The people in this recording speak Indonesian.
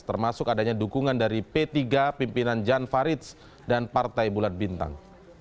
termasuk adanya dukungan dari p tiga pimpinan jan faridz dan partai bulan bintang